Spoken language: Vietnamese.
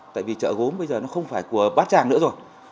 tại vì chợ gốm bây giờ nó không phải của bát tràng nữa rồi